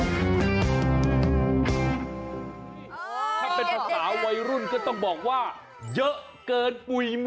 ถ้าเป็นสัตว์สาววัยรุ่นก็ต้องบอกว่าเยอะเกินปุ่นค่ะ